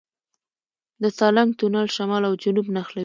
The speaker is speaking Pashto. د سالنګ تونل شمال او جنوب نښلوي